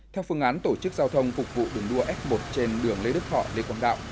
theo phương án tổ chức giao thông phục vụ đường đua f một trên đường lê đức thọ lê quang đạo